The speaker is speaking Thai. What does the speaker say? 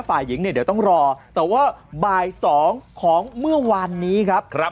ฝ่ายหญิงเนี่ยเดี๋ยวต้องรอแต่ว่าบ่าย๒ของเมื่อวานนี้ครับ